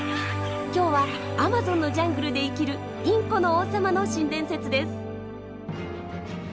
今日はアマゾンのジャングルで生きるインコの王様の新伝説です。